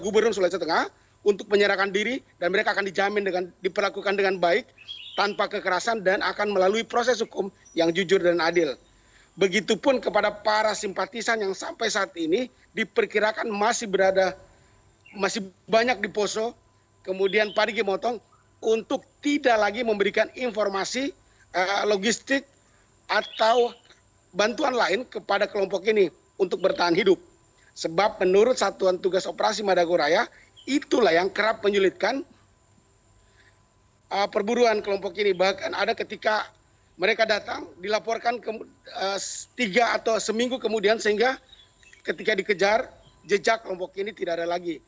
bahkan ada ketika mereka datang dilaporkan tiga atau seminggu kemudian sehingga ketika dikejar jejak lombok ini tidak ada lagi